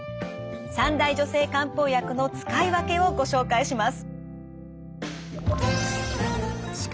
三大女性漢方薬の使い分けをご紹介します。